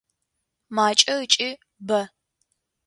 Макӏэ ыкӏи бэ.